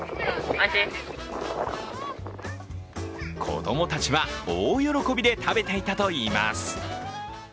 子供たちは大喜びで食べていたといいます。